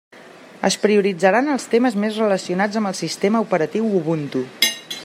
Es prioritzaran els temes més relacionats amb el sistema operatiu Ubuntu.